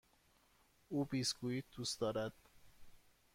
او بیسکوییت دوست دارد.